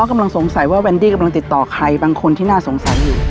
กำลังสงสัยว่าแวนดี้กำลังติดต่อใครบางคนที่น่าสงสัยอยู่